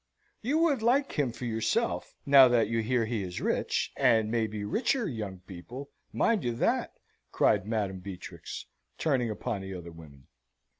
"You would like him for yourself, now that you hear he is rich and may be richer, young people, mind you that," cried Madam Beatrix, turning upon the other women.